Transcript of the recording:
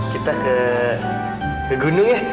kita ke gunung ya